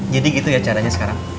jadi gitu ya caranya sekarang